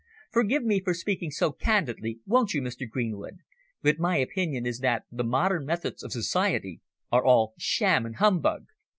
Forgive me for speaking so candidly, won't you, Mr. Greenwood, but my opinion is that the modern methods of society are all sham and humbug."